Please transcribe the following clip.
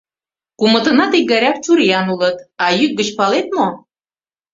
Кумытынат икгайрак чуриян улыт, а йӱк гыч палет мо?